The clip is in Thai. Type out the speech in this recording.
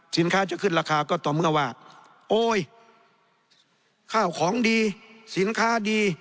สินค้าจะขึ้นราคาก็ต่อเมื่อว่าโอ๊ยข้าวของดีสินค้าดี